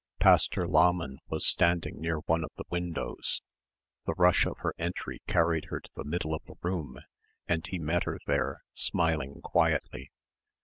Pastor Lahmann was standing near one of the windows. The rush of her entry carried her to the middle of the room and he met her there smiling quietly.